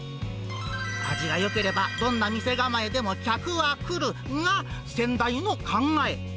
味がよければどんな店構えでも客は来るが、先代の考え。